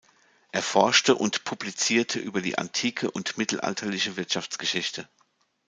Er forschte und publizierte über die antike und mittelalterliche Wirtschaftsgeschichte.